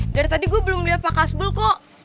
dari tadi gue belum liat pak kasbul kok